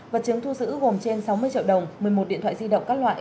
vật chứng thu giữ gồm trên sáu mươi triệu đồng một mươi một điện thoại di động các loại